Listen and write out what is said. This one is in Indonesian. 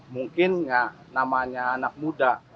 mungkin ya namanya anak muda